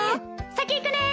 先行くね！